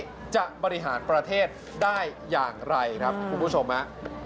เป็นอย่างนี้จะบริหารประเทศได้อย่างไรครับคุณผู้ชมนะ